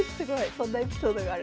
そんなエピソードがあるんですね。